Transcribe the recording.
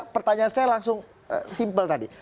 pertanyaan saya langsung simpel tadi